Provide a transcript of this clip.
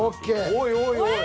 おいおいおい。